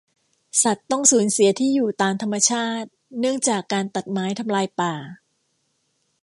สัตว์ต้องสูญเสียที่อยู่ตามธรรมชาติ เนื่องจากการตัดไม้ทำลายป่า